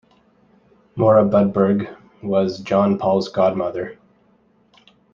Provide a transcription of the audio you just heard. Moura Budberg was John Paul's godmother.